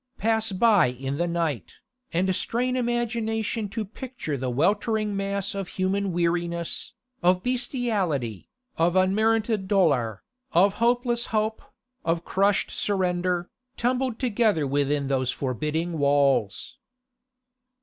Pass by in the night, and strain imagination to picture the weltering mass of human weariness, of bestiality, of unmerited dolour, of hopeless hope, of crushed surrender, tumbled together within those forbidding walls.